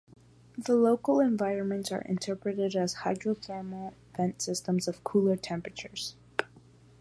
The local environments are interpreted as hydrothermal vent systems of cooler temperatures.